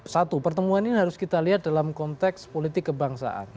satu pertemuan ini harus kita lihat dalam konteks politik kebangsaan